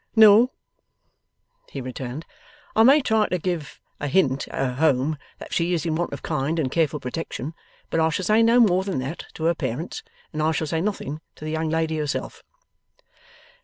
'No,' he returned. 'I may try to give a hint at her home that she is in want of kind and careful protection, but I shall say no more than that to her parents, and I shall say nothing to the young lady herself.